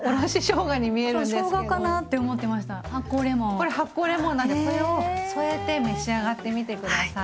これ発酵レモンなんでこれを添えて召し上がってみて下さい。